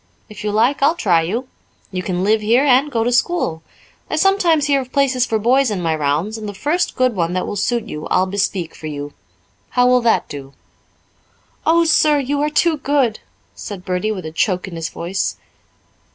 If you like, I'll try you. You can live here, and go to school. I sometimes hear of places for boys in my rounds, and the first good one that will suit you, I'll bespeak for you. How will that do?" "Oh, sir, you are too good," said Bertie with a choke in his voice.